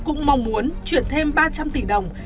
cũng mong muốn chuyển thêm ba trăm linh tỷ đồng